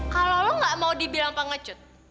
kalau lo gak mau dibilang pengecut